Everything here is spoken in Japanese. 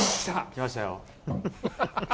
きましたよ。